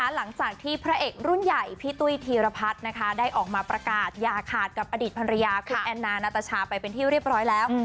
หลังจากที่พระเอกรุ่นใหญ่พี่ตุ้ยธีรพัฒน์ได้ออกมาประกาศอย่าขาดกับอดีตภรรยาคุณแอนนานาตาชาไปเป็นที่เรียบร้อยแล้ว